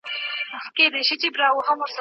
سپین وریښتان د پری کولو څخه زیاتېږي؟